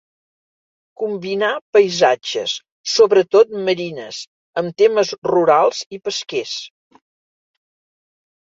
Combinà paisatges, sobretot marines, amb temes rurals i pesquers.